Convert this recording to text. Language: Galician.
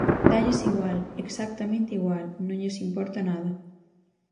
Dálles igual, exactamente igual, non lles importa nada.